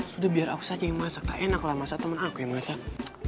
sudah biar aku saja yang masak enak lah masak temen aku yang masak